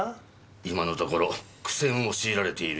今のところ苦戦を強いられてるようですが。